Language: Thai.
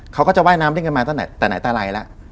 เขาก็จะว่ายน้ำเล่นกันมาตั้งแต่ไหนแต่ไรแล้ว